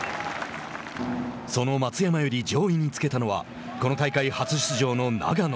その松山より上位につけたのはこの大会初出場の永野。